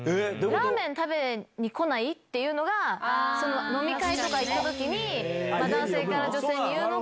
ラーメン食べに来ない？というのが、飲み会とか行ったときに、男性から女性に言うのが。